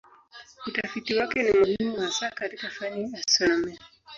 Utafiti wake ni muhimu hasa katika fani ya astronomia.